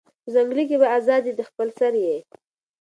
په ځنگله کی به آزاد یې د خپل سر یې